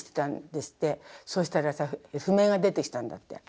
そしたらさ譜面が出てきたんだって。